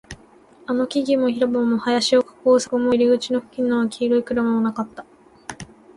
あの木々も、広場も、林を囲う柵も、入り口付近の黄色い車もなかった